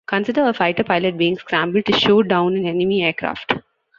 Consider a fighter pilot being scrambled to shoot down an enemy aircraft.